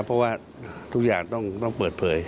เพราะว่าทุกอย่างต้องเปิดเผย